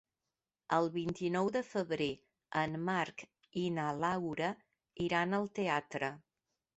El vint-i-nou de febrer en Marc i na Laura iran al teatre.